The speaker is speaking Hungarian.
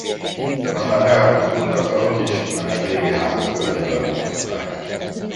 Aztán elpusztultak azok is, mert a régi házat földig lebontották.